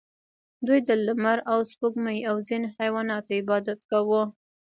دوی د لمر او سپوږمۍ او ځینو حیواناتو عبادت کاوه